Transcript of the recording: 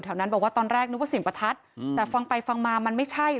นั้นบอกว่าตอนแรกนึกว่าเสียงประทัดแต่ฟังไปฟังมามันไม่ใช่